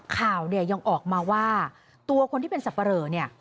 ข่าวเนี่ยยังออกมาว่าตัวคนที่เป็นสับปะเหลอเนี่ย